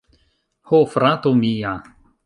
Ho, frato mia!